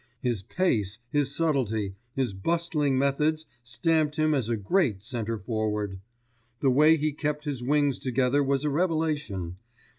His pace, his subtlety, his bustling methods stamped him as a great centre forward. The way he kept his wings together was a revelation.